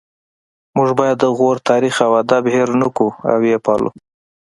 موږ باید د غور تاریخ او ادب هیر نکړو او ويې پالو